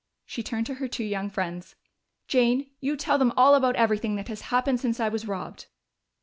She turned to her two young friends. "Jane, you tell them all about everything that has happened since I was robbed."